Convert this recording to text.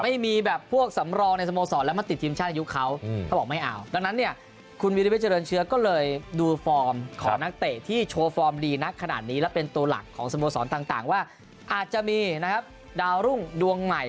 และเป็นตัวหลักของสมบัติศาลต่างว่าอาจจะมีดาวรุ่งดวงใหม่